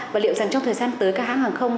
và liệu rằng trong thời gian tới các hãng hàng không